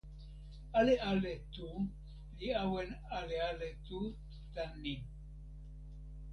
ale ale tu li awen ale ale tu, tan ni.